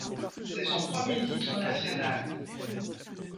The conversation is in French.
C’est son premier titre national.